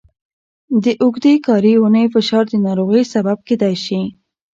د اوږدې کاري اونۍ فشار د ناروغۍ سبب کېدای شي.